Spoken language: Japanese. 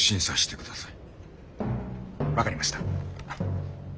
分かりました。